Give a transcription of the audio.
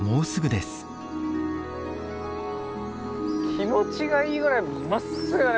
気持ちがいいぐらいまっすぐだね